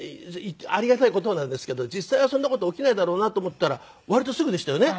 ありがたい事なんですけど実際はそんな事起きないだろうなと思ったら割とすぐでしたよね？